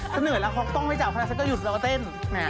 ฉันเหนื่อยแล้วคล็อกต้องไม่จับคณะฉันก็หยุดแล้วเต้น